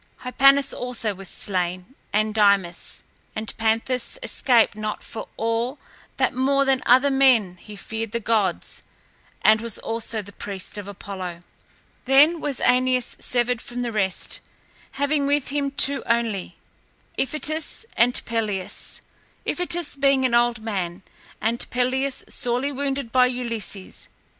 Hypanis also was slain and Dymas, and Panthus escaped not for all that more than other men he feared the gods and was also the priest of Apollo. Then was Æneas severed from the rest, having with him two only, Iphitus and Pelias, Iphitus being an old man and Pelias sorely wounded by Ulysses.